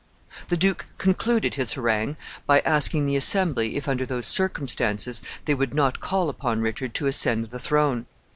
The duke concluded his harangue by asking the assembly if, under those circumstances, they would not call upon Richard to ascend the throne.